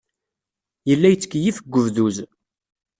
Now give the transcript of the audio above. Yella yettkeyyif deg ubduz.